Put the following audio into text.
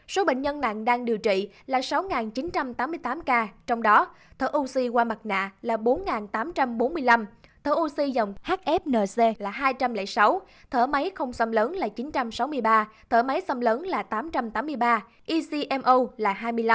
số bệnh nhân nặng đang điều trị là sáu chín trăm tám mươi tám ca trong đó thở oxy qua mặt nạ là bốn tám trăm bốn mươi năm thở oxy dòng hfnc là hai trăm linh sáu thở máy không xăm lớn là chín trăm sáu mươi ba thở máy xâm lấn là tám trăm tám mươi ba ecmo là hai mươi năm